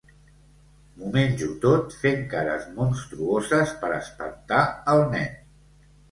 M'ho menjo tot fent cares monstruoses per espantar el nen.